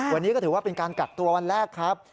วันนี้ก็ถือว่าเป็นการกักตัววันแรกครับ